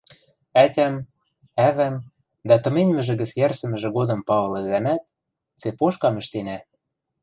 Ӓтям, ӓвӓм дӓ тыменьмӹжӹ гӹц йӓрсӹмӹжӹ годым Павыл ӹзӓмӓт – цепошкам ӹштенӓ.